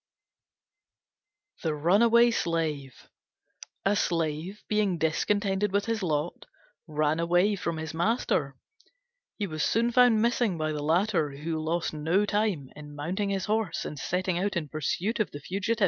THE RUNAWAY SLAVE A Slave, being discontented with his lot, ran away from his master. He was soon missed by the latter, who lost no time in mounting his horse and setting out in pursuit of the fugitive.